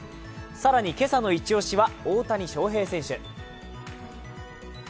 更に今朝のイチ押しは大谷翔平選手。